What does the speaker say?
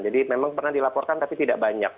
memang pernah dilaporkan tapi tidak banyak